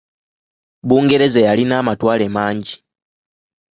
Bungereza yalina amatwale mangi.